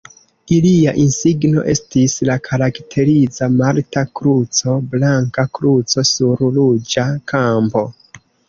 Ilia insigno estis la karakteriza malta kruco, blanka kruco sur ruĝa kampo.